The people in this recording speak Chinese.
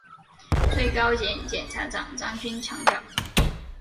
最高检检察长张军强调